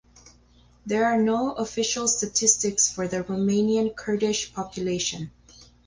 There are no official statistics for the Romanian Kurdish population.